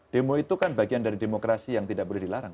demo itu kan bagian dari demokrasi yang tidak boleh dilarang